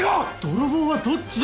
泥棒はどっちだよ。